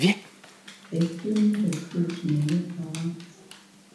The film received many awards.